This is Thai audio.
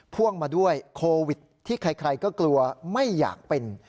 พ่วงมาด้วยโควิดที่ใครก็กลัวไม่อยากเป็น